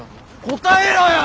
答えろよ！